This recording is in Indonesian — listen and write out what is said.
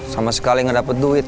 sama sekali ngedapet duit